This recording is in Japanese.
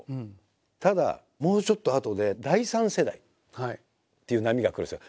ただもうちょっとあとで第３世代っていう波が来るんですよ。